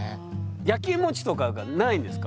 やきもちとかがないんですか？